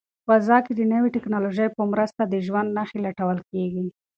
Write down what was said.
په فضا کې د نوې ټیکنالوژۍ په مرسته د ژوند نښې لټول کیږي.